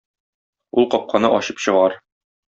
Ул капканы ачып чыгар.